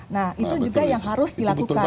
nah itu juga yang harus dilakukan